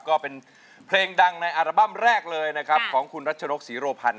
ก็เป็นเพลงดังในอัลบั้มแรกเลยนะครับของคุณรัชนกศรีโรพันธ